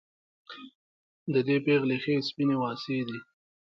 د دې پېغلې ښې سپينې واڅې دي